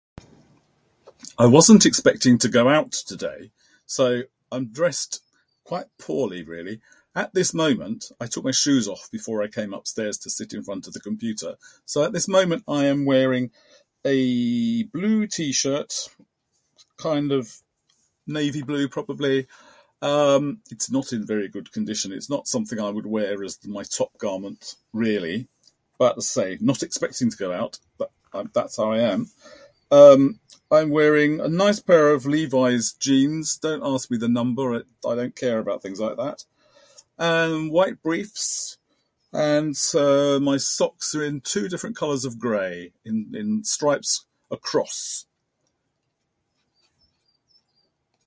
I wasn't expecting to go out today, so I'm dressed quite poorly, really. At this moment, I took my shoes off before I came upstairs to sit in front of the computer. So at this moment, I am wearing a blue T-shirt, kind of navy blue, probably. Um, it's not in very good condition, it's not something I would wear as my top garment, really. But as I say, not expecting to out, but that's how I am. Um, I'm wearing a nice pair of Levi's jeans, don't ask my the number I I don't care about things like that. And white briefs, and, um, my socks are in two different colors of gray, in in stripes across.